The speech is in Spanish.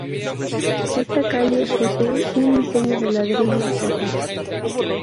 Esta calle posee un diseño de ladrillos rojos.